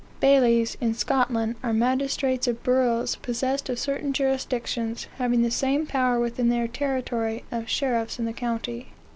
BAILIES, in Scotland, are magistrates of burghs, possessed of certain jurisdictions, having the same power within their territory as sheriffs in the county.